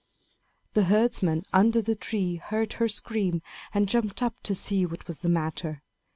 The herdsman under the tree heard her scream, and jumped up to see what was the matter.